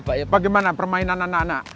pak tuker bagaimana permainan anak anak